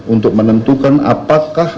untuk menentukan apakah